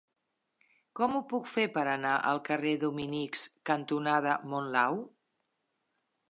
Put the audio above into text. Com ho puc fer per anar al carrer Dominics cantonada Monlau?